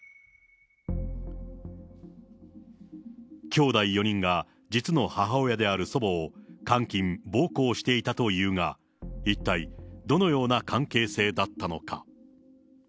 きょうだい４人が実の母親である祖母を監禁暴行していたというが、一体どのような関係性だったのか。